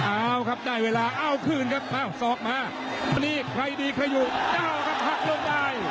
เอาครับได้เวลาเอ้าคืนครับอ้าวศอกมาปลีกใครดีใครอยู่ได้ครับหักลงได้